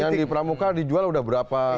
yang di pramuka dijual udah berapa